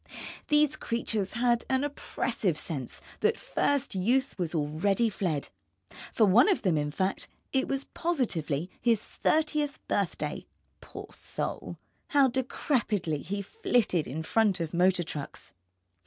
These creatures had an oppressive sense that first Youth was already fled. For one of them, in fact, it was positively his thirtieth birthday; poor soul, how decrepitly he flitted in front of motor trucks.